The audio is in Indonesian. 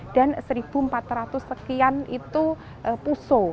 dan satu empat ratus sekian itu pusuh